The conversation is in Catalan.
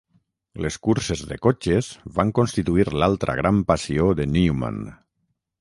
Les curses de cotxes van constituir l'altra gran passió de Newman.